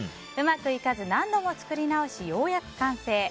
うまくいかず、何度も作り直しようやく完成。